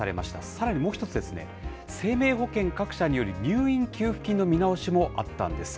さらにもう一つ、生命保険各社による入院給付金の見直しもあったんです。